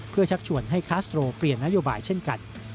เพื่อชักชวนให้คาสโตรเปลี่ยนนโยบายเช่นกัน